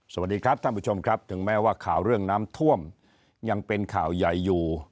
สวัสดีครับท่านผู้ชมครับถึงแม้ว่าข่าวเรื่องน้ำท่วมยังเป็นข่าวใหญ่อยู่